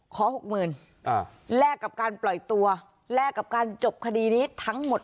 หกหมื่นแลกกับการปล่อยตัวแลกกับการจบคดีนี้ทั้งหมด